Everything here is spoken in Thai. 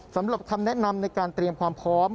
สำหรับคำแนะนำในการเตรียมความพร้อม